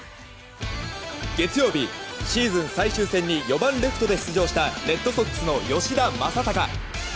月曜日シーズン最終戦に４番レフトで出場したレッドソックスの吉田正尚。